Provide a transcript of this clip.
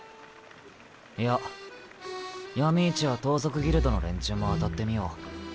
いや闇市や盗賊ギルドの連中も当たってみよう。